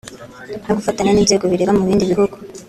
no gufatanya n’inzego bireba mu bindi bihugu